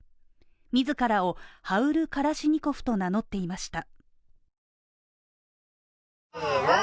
自らをハウル・カラシニコフと名乗っていました。